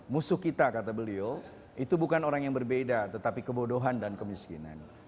musuh kita kata beliau itu bukan orang yang berbeda tetapi kebodohan dan kemiskinan